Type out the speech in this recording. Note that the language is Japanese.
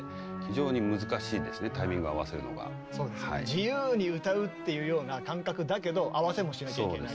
自由に歌うっていうような感覚だけど合わせもしなきゃいけない。